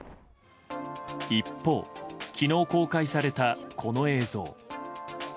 一方、昨日公開されたこの映像。